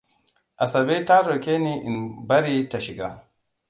Asabe ta roke ni in bari ta shiga.